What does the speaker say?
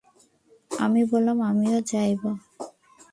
আমি বলিলাম, আমিও যাইব।